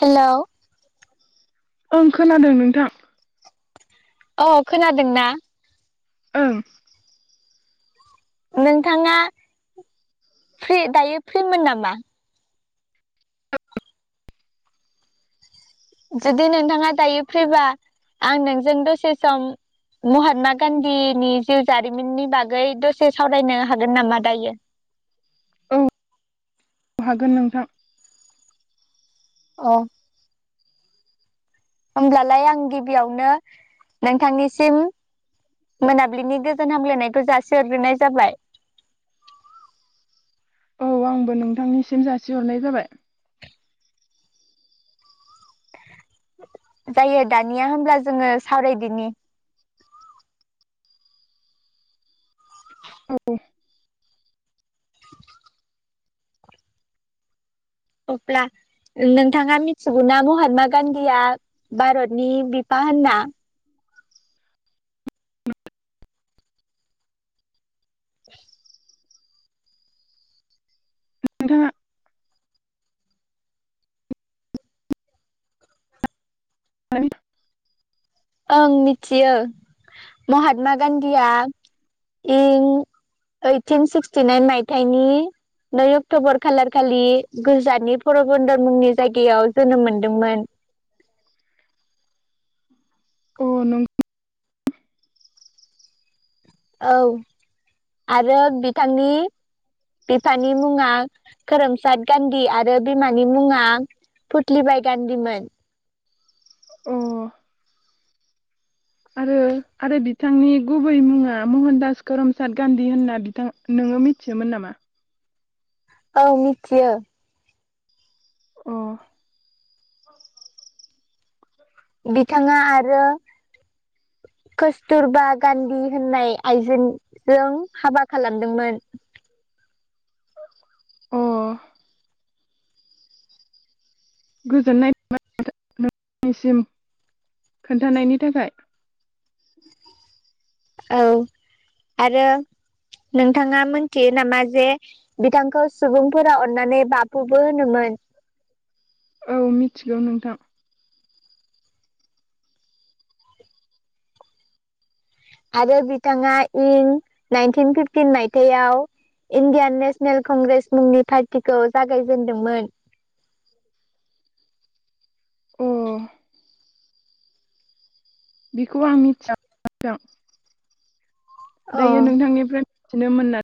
Hello. ओं खोनादों नोंथां। अ खोनादोंना? ओं। नोंथाङा फ्रि दायो फ्रिमोन नामा? जुदि नोंथाङा दायो फ्रिबा आं नोंजों दसे सम महात्मा गान्धीनि जिउ जारिमिननि बागै दसे सावरायनो हागोन नामा दायो। औ हागोन नोंथां। अ। होमब्लालाय आं गिबियावनो नोंथांनिसिम मोनाबिलिनि गोजोन हामलायनायखौ जासिहरग्रोनाय जाबाय। औ आंबो नोंथांनिसिम जासिहरनाय जाबाय। जायो दानिया होब्ला जोङो सावरायदिनि। औ। [unintelligible] अब्ला नोंथाङा मिथिगौना महात्मा गान्धीया भारतनि बिफा होनना। [inaudible] नोंथाङा [inaudible] ओं मिथियो महात्मा गान्धीया इं ओइटिन सिक्सटिनाइन मायथाइनि नै अक्टबर खालारखालि गुजरातनि परबन्दर मुंनि जायगायाव जोनोम मोनदोंमोन। अ नों औ आरो बिथांनि बिफानि मुङा खोरोमसाद गान्धी आरो बिमानि मुङा फुत्लिबाइ गान्धीमोन। अ। आरो आरो बिथांनि गुबै मुङा महनदास कमचान्द गान्धी होनना बिथां नोङो मिथियोमोन नामा? औ मिथियो। अ। बिथाङा आरो अ गोजोननाय [unintelligible] निसिम खोन्थानायनि थाखाय। औ आरो नोंथाङा मोनथियो नामा जे बिथांखौ सुबुंफोरा अननानै बाफुबो होनोमोन? औ मिथिगौ नोंथां। आरो बिथाङा इं नाइनटिन फिफ्टिन मायथायाइयाव इण्डियान नेशनेल कंग्रेस मुंनि पार्टिखौ जागायजेनदोंमोन। अ बेखौ आं मिथिया [inaudible] अ दायो नोंथांनिफ्राय [unintelligible]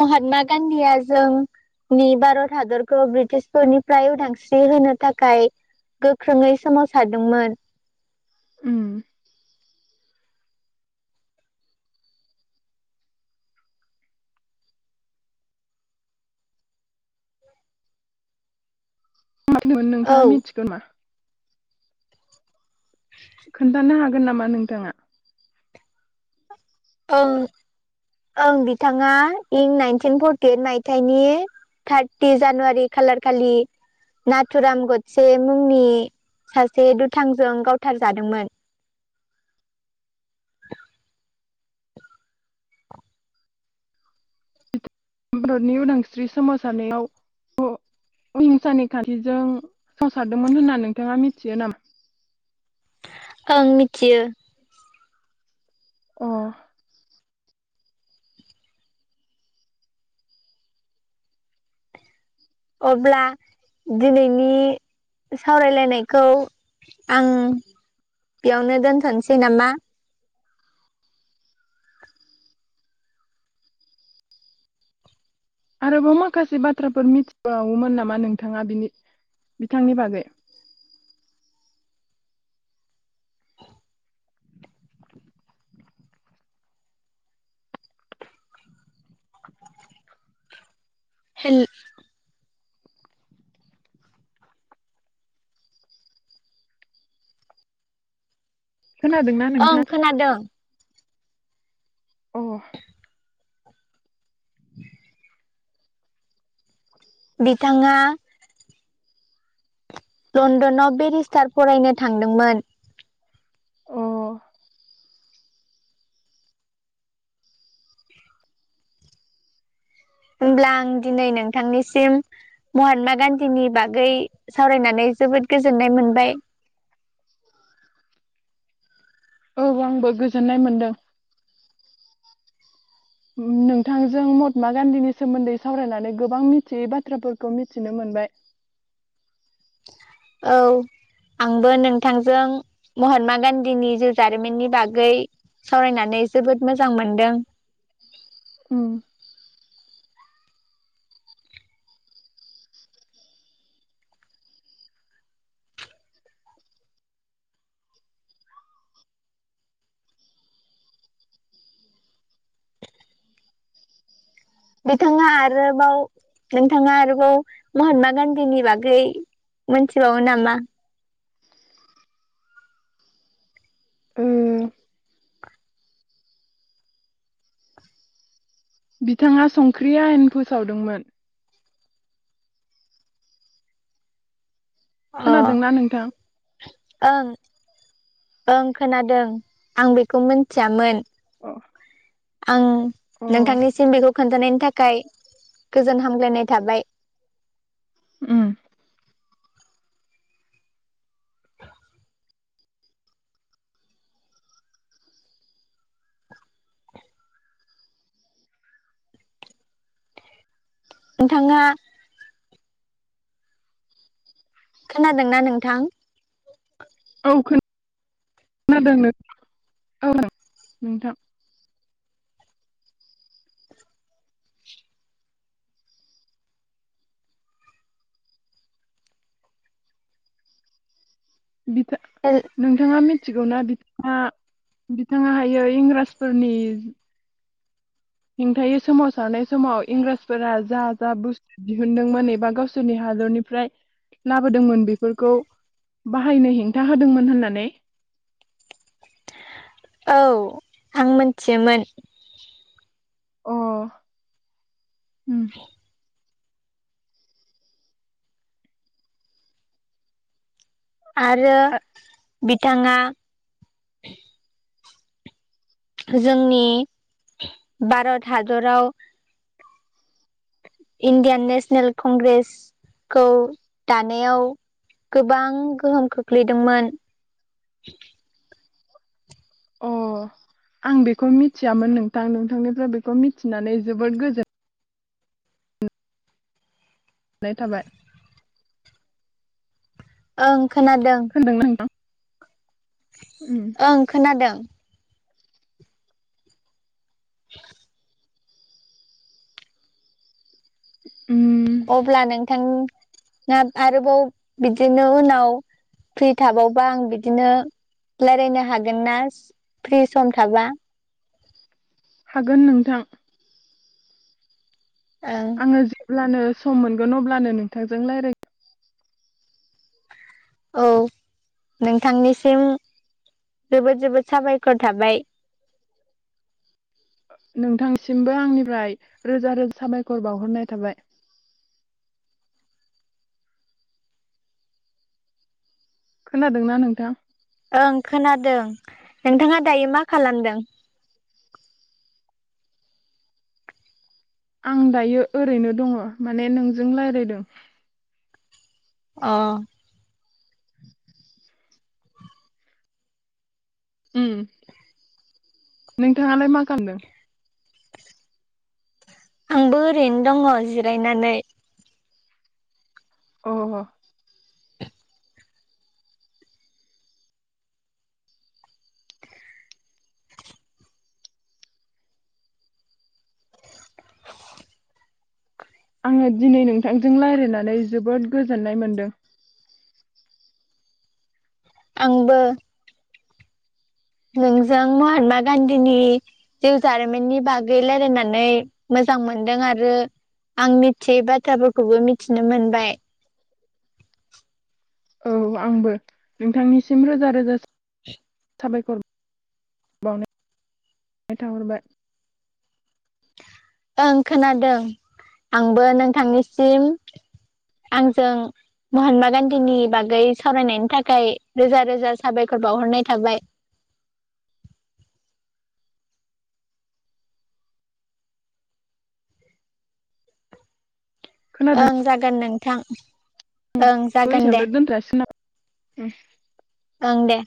महात्मा गान्धीया जों-नि भारत हादरखौ ब्रिटिशफोरनिफ्राय उदांस्रि होनो थाखाय गोख्रोङै सोमावसारदोंमोन [unintelligible] औ नोंथाङा मिथिगो मा? खोन्थानो हागोन नामा नोंथाङा? ओं ओं बिथाङा इं नाइनटिन फरटि ओइट मायथाइनि थारटि जानुवारि खालारखालि नाथुराम गडसे मुंनि सासे दुथांजों गावथारजादोंमोन भारतनि उदांस्रि सोमावसारनायाव अ अहिंसानि खान्थिजों संसारदोंमोन होनना नोंथाङा मिथियो नामा? ओं मिथियो अ अब्ला दिनैनि सावरायलायनायखौ आं बेयावनो दोनथसै नामा आरोबाव माखासे बाथ्राफोर मिथिबावोमोन नामा नोंथाङा बिनि बिथांनि बागै? हेल खोनादोंना ओं नोंथां? खोनादों। अ बिथाङा लनडनाव बेेरिस्टार फरायनो थांदोंमोन। अ होमब्ला आं दिनै नोंथांनिसिम महात्मा गान्धीनि बागै सावरायनानै जोबोद गोजोननाय मोनबाय। औ आंबो गोजोननाय मोनदों। नोंथांजों महात्मा गान्धीनि सोमोन्दै सावरायनानै गोबां मिथियै बाथ्राफोरखौ मिथिनो मोनबाय। औ आंबो नोंथांजों महात्मा गान्धीनि जिउ जारिमिननि बागै सावरायनानै जोबोद मोजां मोनदों उम। बिथाङा आरोबाव नोंथाङा आरोबाव महात्मा गान्धीनि बागै मोनथिबावो नामा? उम बिथाङा संख्रि आयेन फोसावदोंमोन अ खोनादोंना नोंथां? ओं ओं खोनादों आं बेखौ मोनथियामोन। अ आं अ नोंथांनिसिम बेखौ खोन्थानायनि थाखाय गोजोन हामग्लायनाय थाबाय। उम नोंथाङा खोनादोंना नोंथां? [unintelligible] खोनादों [unintelligible] नोंथां बिफा नोंथाङा मिन थिगौना बिथा बिथाङा हायो इंराजफोरनि हेंथायै सोमावसारनाय समाव इंराजफोरा जा जा बुस्थु दिहुनदोंमोन एबा गावसोरनि हादरनिफ्राय लाबोदोंमोन बेफोरखौ बाहायनो हेंथा होदोंमोन होननानै औ आं मोनथियोमोन। अ ओम। आरो आ बिथां आ जोंनि भारत हादराव इण्डियान नेशनेल कंग्रेसखौ दानायाव गोबां गोहोम खोख्लैदोंमोन। अ आं बेखौ मिथियामोन नोंथां नोंथांनिफ्राय बेखौ मिथिनानै जोबोद गोजोन नाय थाबाय ओं खोनादों। खोनादोंना नोंथां उम ओं खोनादों। उम अब्ला नोंथां आ आरोबाव बिदिनो उनाव फ्रि थाबावबा आं बिदिनो रालायनो हागोन ना फ्रि सम थाबा? हागोन नोंथां। ओं आङो जेब्लानो सम मोनगोन अब्लानो नोंथांजों रायलाय औ नोंथांनिसिम जोबोद-जोबोद साबायखर थाबाय। नोंथांनिसिमबो आंनिफ्राय रोजा रोजा साबायखर बावहरनाय थाबाय। खोनादोंना नोंथां? ओं खोनादों नोंथाङा दायो मा खालामदों। आं दायो ओरैनो दङ माने नोंजों रायलायदों। अ उम [inaudible] नोंथाङालाय मा खामदों? आंबो ओरैनो दङ' जिरायनानै अ आङो दिनै नोंथांजों रायलायनानै जोबोद गोजोननाय मोनदों। आंबो नोंजों महात्मा गान्धीनि जिउ जारिमिननि बागै रायलायनानै मोजां मोनदों आरो आं मिथियै बाथ्राफोरखौबो मिथिनो मोनबाय। औ आंबो नोंथांनिसिम रोजा-रोजा साबायखर बावनाय थाहरबाय। ओं खोनादों आंबो नोंथांनिसिम आंजों महात्मा गान्धीनि बागै सावरायनायनि थाखाय रोजा रोजा साबायखर बावहरनाय थाबाय। खोनादों ओं जागोन नोंथां ओं जागोन दे। बैसेयावनो दोनथ'जासिगोन नामा ओं दे